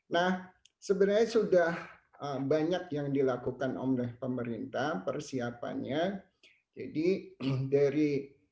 dua ribu dua ratus dua puluh dua nah sebenarnya sudah banyak yang dilakukan omleh pemerintah persiapannya jadi dari tiga puluh empat